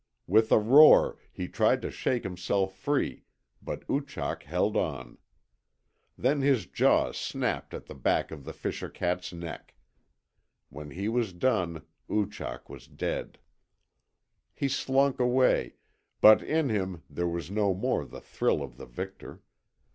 With a roar he tried to shake himself free, but Oochak held on. Then his jaws snapped at the back of the fisher cat's neck. When he was done Oochak was dead. He slunk away, but in him there was no more the thrill of the victor.